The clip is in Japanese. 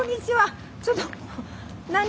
ちょっと何？